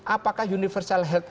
apakah universal health